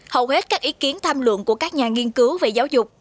hầu hết các ý kiến tham luận của các nhà nghiên cứu về giáo dục